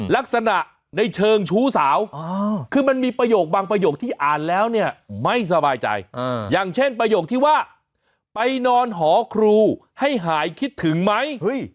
ลักษณะในเชิงชู้สาวคือมันมีประโยคบางประโยคที่อ่านแล้วเนี่ยไม่สบายใจอย่างเช่นประโยคที่ว่าไปนอนหอครูให้หายคิดถึงไหม